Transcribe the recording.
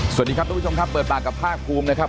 สวัสดีครับทุกผู้ชมครับเปิดปากกับภาคภูมินะครับ